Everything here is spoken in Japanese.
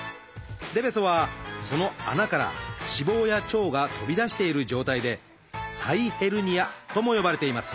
でべそはその穴から脂肪や腸が飛び出している状態で「臍ヘルニア」とも呼ばれています。